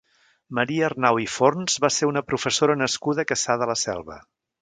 Maria Arnau i Forns va ser una professora nascuda a Cassà de la Selva.